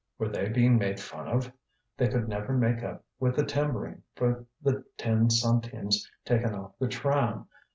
Were they being made fun of? They could never make up with the timbering for the ten centimes taken off the tram.